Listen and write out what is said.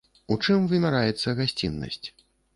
А ў чым вымяраецца гасціннасць?